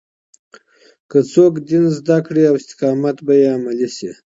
که څوک دين زده کړي، استقامت به يې عملي شي.